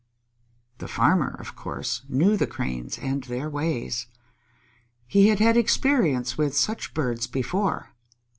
The Farmer, of course, knew the Cranes and their ways. He had had experience with such birds before.